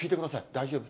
大丈夫？